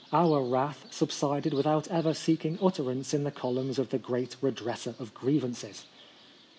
Our wrath sub sided without ever seeking utterance in the columns of the great redresser of grievances.